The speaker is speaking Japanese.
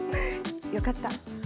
よかった！